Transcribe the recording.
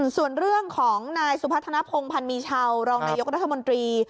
ส่วนเรื่องของนายสุพัฒนภงพันธ์มีชาวรองนายกรัฐมนตรี